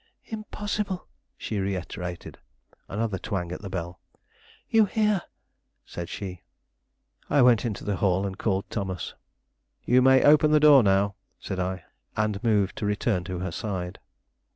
"Impossible," she reiterated. Another twang at the bell. "You hear!" said she. I went into the hall and called Thomas. "You may open the door now," said I, and moved to return to her side.